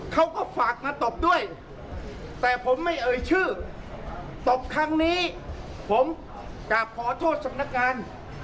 เขาก็ฝากมาตบด้วยแต่ผมไม่เอ่ยชื่อตบครั้งนี้ผมกลับขอโทษสำนักงาน